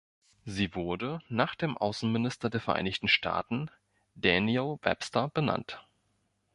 Sie wurde nach dem Außenminister der Vereinigten Staaten Daniel Webster benannt.